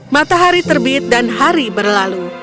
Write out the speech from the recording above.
matahari terbit dan hari berlalu